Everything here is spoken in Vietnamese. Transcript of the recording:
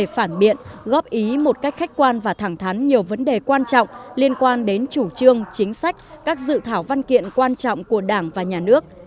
phản biện góp ý một cách khách quan và thẳng thắn nhiều vấn đề quan trọng liên quan đến chủ trương chính sách các dự thảo văn kiện quan trọng của đảng và nhà nước